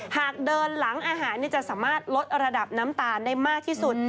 หากเดินหลังอาหารจะสามารถลดระดับน้ำตาลได้มากที่สุด